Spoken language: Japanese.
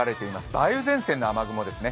梅雨前線の雨雲ですね。